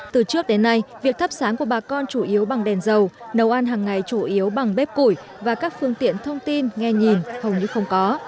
từ trước đến nay việc thắp sáng của bà con chủ yếu bằng đèn dầu nấu ăn hàng ngày chủ yếu bằng bếp củi và các phương tiện thông tin nghe nhìn hầu như không có